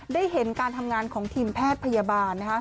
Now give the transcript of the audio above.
ได้เห็นการทำงานของทีมแพทย์พยาบาล